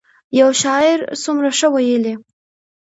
یو شاعر څومره ښه ویلي.